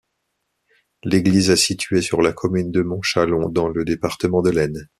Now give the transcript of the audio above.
L'église est située sur la commune de Montchâlons, dans le département de l'Aisne.